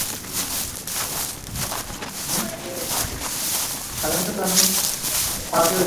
সবাই গোল্ডফিশের মতো মুখ খুলে রেখেছে কেন?